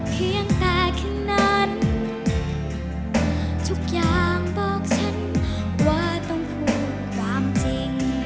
เพียงแต่แค่นั้นทุกอย่างบอกฉันว่าต้องพูดความจริง